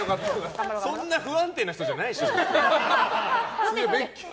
そんな不安定な人じゃないでしょ。